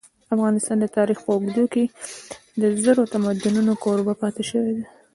افغانستان د تاریخ په اوږدو کي د زرو تمدنونو کوربه پاته سوی دی.